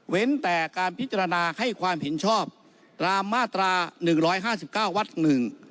เว้นแต่การพิจารณาให้ความเห็นชอบตามมาตรา๑๕๙วัน